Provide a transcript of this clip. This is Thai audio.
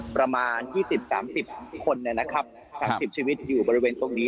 ประมาณยี่สิบสามสิบคนนะครับสามสิบชีวิตอยู่บริเวณตรงนี้